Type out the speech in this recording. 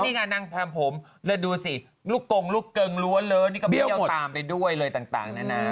นี่ไงนางแพรมผมแล้วดูสิลูกกงลูกเกิงล้วนเลอนี่ก็เบี้ยวตามไปด้วยเลยต่างนานา